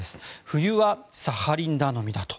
冬はサハリン頼みだと。